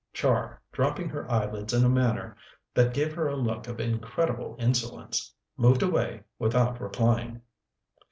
Char, dropping her eyelids in a manner that gave her a look of incredible insolence, moved away without replying.